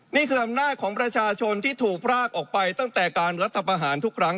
นี่คืออำนาจของประชาชนที่ถูกพรากออกไปตั้งแต่การรัฐประหารทุกครั้ง